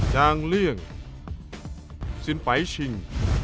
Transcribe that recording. จางเลี่ยงสินไปชิง